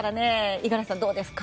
五十嵐さん、どうですか？